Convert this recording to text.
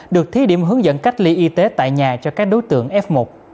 được thí điểm hướng dẫn cách ly y tế tại nhà cho các đối tượng f một